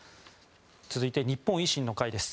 続いて、日本維新の会です。